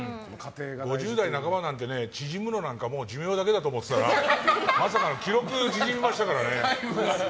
５０代半ばなんて縮むのは寿命だけだと思ってたらまさかの記録縮めましたからね。